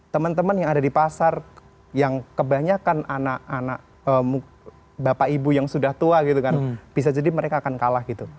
teman teman yang ada di pasar yang kebanyakan anak anak bapak ibu yang sudah tua gitu kan bisa jadi mereka akan kalah gitu